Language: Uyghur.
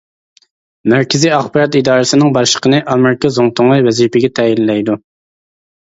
مەركىزىي ئاخبارات ئىدارىسىنىڭ باشلىقىنى ئامېرىكا زۇڭتۇڭى ۋەزىپىگە تەيىنلەيدۇ.